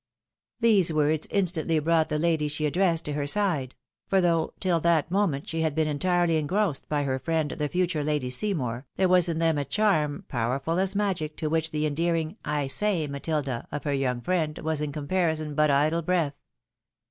" These words instantly brought the lady she addressed to her side; for though till that moment she had been entirely engrossed by her friend, the future Lady Seymour, there was in them a charm, powerful as magic, to which the endearing " I say, Matilda 1" of her young friend was, in comparison, but idle breath.